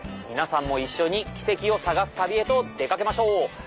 皆さんも一緒に奇蹟を探す旅へと出掛けましょう！